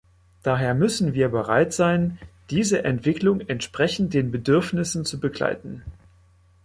Daher müssen wir bereit sein, diese Entwicklung entsprechend den Bedürfnissen zu begleiten.